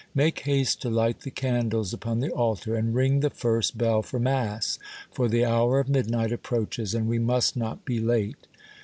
Make haste to light the candles upon the altar, and ring the first bell for mass ; for the hour of midnight approaches, and we must not be late."